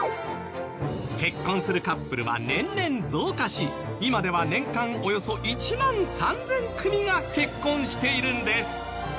結婚するカップルは年々増加し今では年間およそ１万３０００組が結婚しているんです。